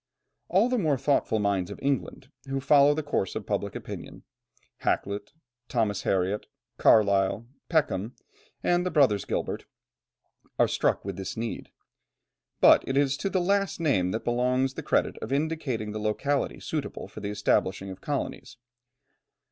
All the more thoughtful minds in England, who follow the course of public opinion Hakluyt, Thomas Hariot, Carlyle, Peckham, and the brothers Gilbert are struck with this need. But it is to the last named that belongs the credit of indicating the locality suitable for the establishing of colonies.